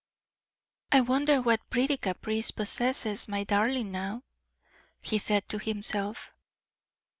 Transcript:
"I wonder what pretty caprice possesses my darling now," he said to himself.